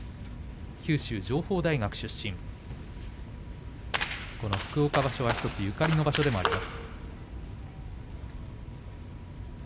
九州情報大学、福岡場所はゆかりの場所でもあります。